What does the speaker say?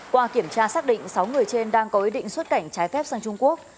qua kiểm tra xác định sáu người trên đang có ý định xuất cảnh trái phép sang trung quốc